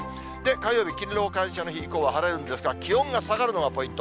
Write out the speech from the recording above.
火曜日、勤労感謝の日以降は晴れるんですが、気温が下がるのがポイント。